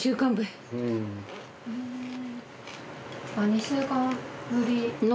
２週間ぶりの。